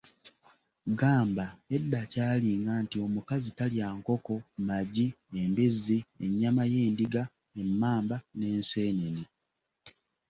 Gamba edda kyalinga nti omukazi talya nkoko, magi, embizzi, ennyama y’endiga, emmamba, n’enseenene.